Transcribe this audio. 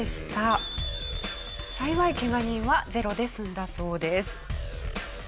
幸いケガ人はゼロで済んだそうです。